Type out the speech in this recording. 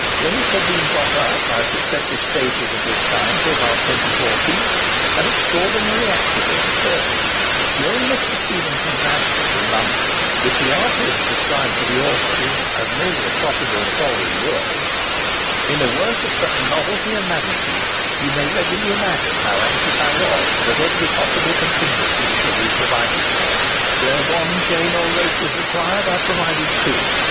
When it had been got up by successive stages of this kind to about 24 feet, an extraordinary accident occurred, during Mr. Stephenson's absence in London, which he afterwards described to the author in as nearly as possible the following words:—"In a work of such novelty and magnitude, you may readily imagine how anxious I was that every possible contingency should be provided for. Where one chain or rope was required, I provided two.